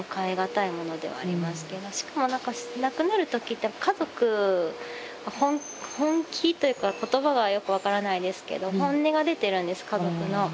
しかもなんか亡くなるときって家族の本気というか言葉がよく分からないですけど本音が出てるんです家族の。